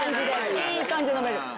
いい感じで飲める。